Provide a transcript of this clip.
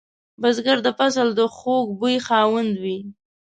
بزګر د فصل د خوږ بوی خاوند وي